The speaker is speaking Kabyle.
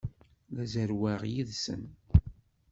La zerrweɣ yid-sen.